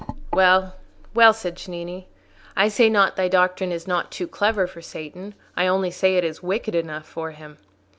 "Well, well," said Cennini, "I say not thy doctrine is not too clever for Satan: I only say it is wicked enough for him."